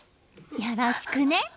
よろしくね。